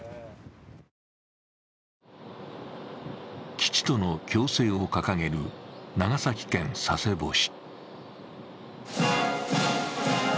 基地との共生を掲げる長崎県佐世保市。